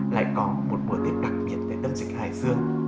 lại có một mùa tết đặc biệt tại tâm dịch hải dương